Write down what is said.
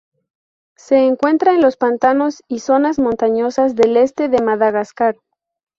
Se encuentra en los pantanos y zonas montañosas del este de Madagascar.